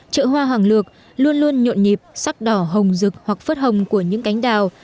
chợ hoa hoàng lược luôn luôn nhộn nhịp sắc đỏ hồng rực hoặc phớt hồng của những cánh đào